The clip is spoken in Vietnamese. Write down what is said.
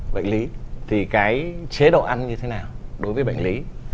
bệnh lý thì cái chế độ ăn như thế nào đối với bệnh lý